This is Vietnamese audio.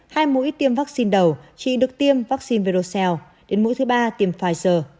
hai mũi tiêm vaccine đầu chỉ được tiêm vaccine đến mũi thứ ba tiêm pfizer